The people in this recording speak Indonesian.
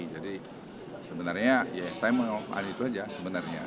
jadi sebenarnya saya mau mengelola itu saja sebenarnya